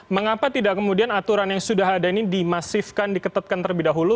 mengapa tidak kemudian aturan yang sudah ada ini dimasifkan diketatkan terlebih dahulu